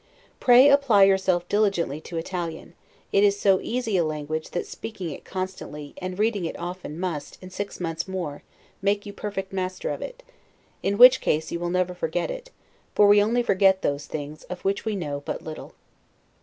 Pray apply yourself diligently to Italian; it is so easy a language, that speaking it constantly, and reading it often, must, in six months more, make you perfect master of it: in which case you will never forget it; for we only forget those things of which we know but little.